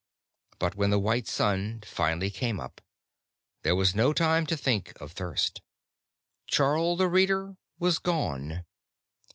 But when the white sun finally came up, there was no time to think of thirst. Charl the Reader was gone.